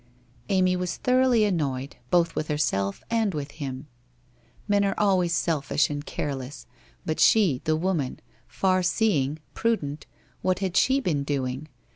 Amy was thoroughly annoyed both with herself and him. Men are always selfish and careless, but she, the woman, farseeing, prudent, what had she been doing?